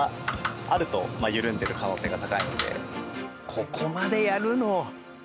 ここまでやるの？